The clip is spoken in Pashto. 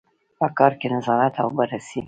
په کار کې نظارت او بررسي.